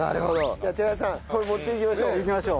じゃあ寺田さんこれ持っていきましょう。